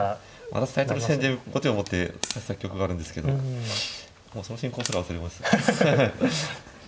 私タイトル戦で後手を持って指した記憶があるんですけどもうその進行すら忘れましたハハッ。